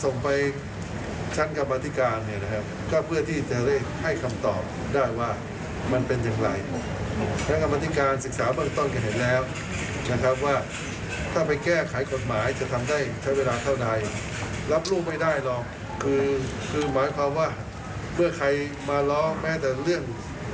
ไม่ได้รับเป็นลูกรับทุกอย่าง